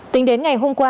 tính đến ngày hôm qua